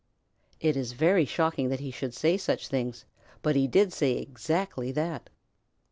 It is very shocking that he should say such things, but he did say exactly that.